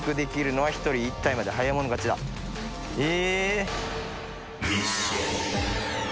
え！